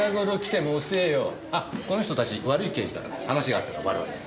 あっこの人たち悪い刑事だから話があったら我々に。